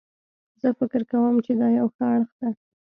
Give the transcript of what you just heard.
زه فکر کوم چې دا یو ښه اړخ ده